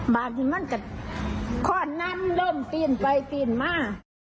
บาทที่มันจะก้อนนั้นเริ่มปีนไปปีนมา